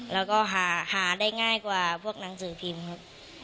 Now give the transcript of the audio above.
แล้วก็หาได้ง่ายกว่าพวกหนังสือพิมพ์ครับ